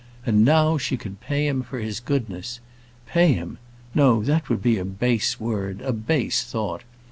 Any now she could pay him for his goodness. Pay him! No, that would be a base word, a base thought.